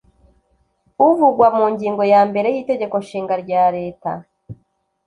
uvugwa mu ngingo ya mbere y Itegeko Nshinga rya leta